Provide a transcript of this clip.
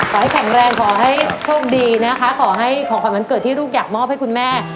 ขอให้แข็งแรงขอให้โชคดีนะคะขอให้ของขวัญวันเกิดที่ลูกอยากมอบให้คุณแม่